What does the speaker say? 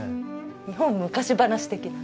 日本昔話的なね。